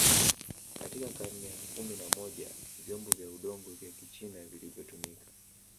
Katika karne ya kumi na moja vyombo vya udongo vya kichina vilivyotumika